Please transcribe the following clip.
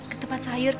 ke tempat sayur